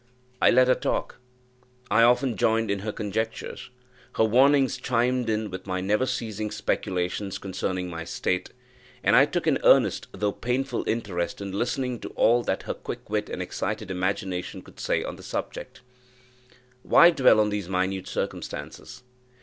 I let her talk I often joined in her conjectures. Her warnings chimed in with my never ceasing speculations concerning my state, and I took an earnest, though painful, interest in listening to all that her quick wit and excited imagination could say on the subject. Why dwell on these minute circumstances?